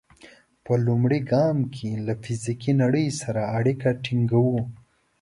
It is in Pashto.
په لومړي ګام کې له فزیکي نړۍ سره اړیکه ټینګوو.